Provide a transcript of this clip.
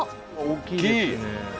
大っきい！